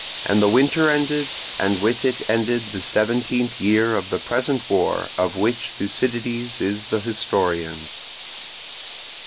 And the winter ended, and with it ended the seventeenth year of the present war of which Thucydides is the historian.